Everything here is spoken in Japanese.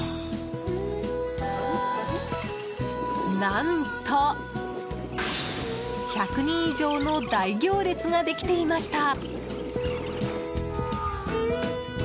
何と、１００人以上の大行列ができていました！